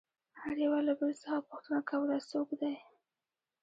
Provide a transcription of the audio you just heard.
هر يوه له بل څخه پوښتنه كوله څوك دى؟